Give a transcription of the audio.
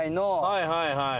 はいはいはい。